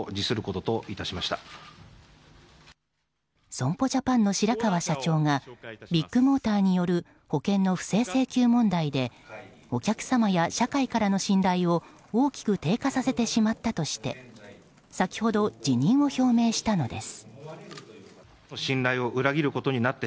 損保ジャパンの白川社長がビッグモーターによる保険の不正請求問題でお客様や社会からの信頼を大きく低下させてしまったとして先ほど、辞任を表明したのです。